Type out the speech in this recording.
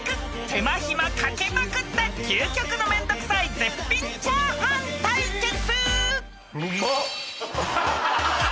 ［手間暇かけまくった究極のめんどくさい絶品チャーハン対決］